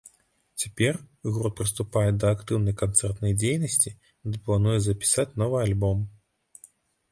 Цяпер гурт прыступае да актыўнай канцэртнай дзейнасці ды плануе запісаць новы альбом.